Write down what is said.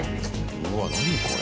うわ何これ。